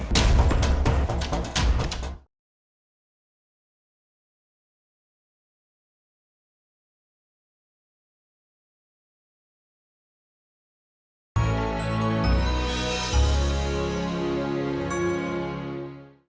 sampai jumpa lagi pak